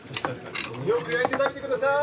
よく焼いて食べてくださーい。